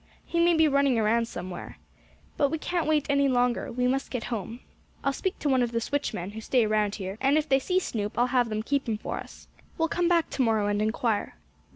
He may be running around some where. But we can't wait any longer. We must get home. I'll speak to one of the switchmen, who stay around here, and if they see Snoop I'll have them keep him for us. We'll come back tomorrow and inquire."